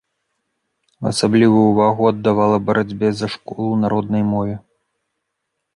Асаблівую ўвагу аддавала барацьбе за школу на роднай мове.